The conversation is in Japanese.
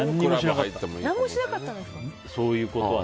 何もしなかったんですか？